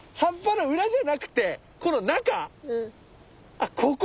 あっここ？